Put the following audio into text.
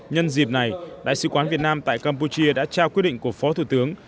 nhân dịp này đại sứ quán việt nam tại campuchia đã trao quyết định của phó thủ tướng